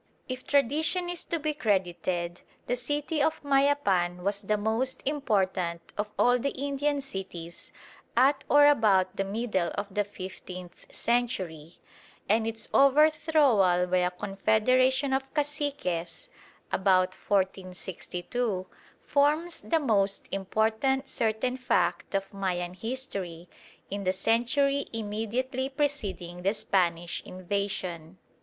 If tradition is to be credited, the city of Mayapan was the most important of all the Indian cities at or about the middle of the fifteenth century, and its overthrowal by a confederation of caciques (about 1462) forms the most important certain fact of Mayan history in the century immediately preceding the Spanish invasion.